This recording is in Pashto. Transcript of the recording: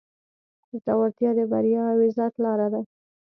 زړورتیا د بریا او عزت لاره ده.